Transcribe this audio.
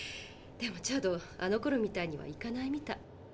でもチャドあのころみたいにはいかないみたい。